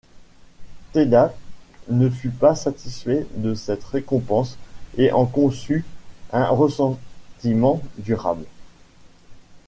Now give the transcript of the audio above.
Theiddat ne fut pas satisfait de cette récompense et en conçut un ressentiment durable.